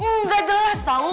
nggak jelas tau